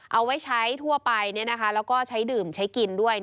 เอาไว้ใช้ทั่วไปแล้วก็ใช้ดื่มใช้กินด้วย